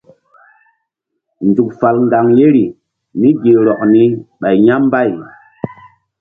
Nzuk fal ŋgaŋ yeri mí gi rɔk ni ɓay ya̧ mbay.